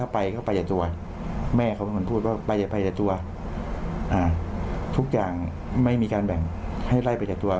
ไปแต่ตัวทุกอย่างไม่มีการแบ่งให้ไล่ไปแต่ตัว